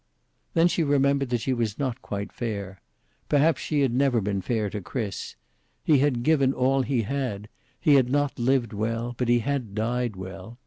Then she remembered that she was not quite fair. Perhaps she had never been fair to Chris. He had given all he had. He had not lived well, but he had died well.